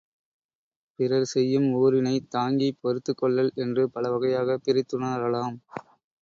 பிறர் செய்யும் ஊறினைத் தாங்கிப் பொறுத்துக் கொள்ளல் என்று பல வகையாகப் பிரித்துணரலாம்.